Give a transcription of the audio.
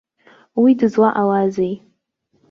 Уи дызлаҟалазеи?